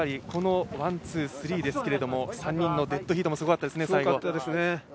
このワンツースリーですが、３人のデッドヒートも最後すごかったですね：